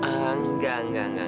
enggak enggak enggak